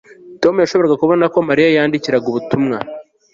Tom yashoboraga kubona ko Mariya yandikiraga ubutumwa